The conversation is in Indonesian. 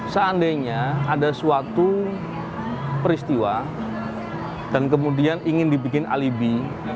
seandainya ada suatu peristiwa dan kemudian ingin dibikin alibi